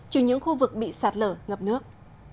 trừ những khu vực bị sạt lở ngập nước